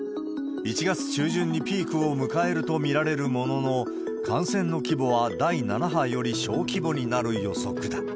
１月中旬にピークを迎えると見られるものの、感染の規模は、第７波より小規模になる予測だ。